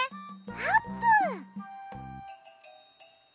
あーぷん！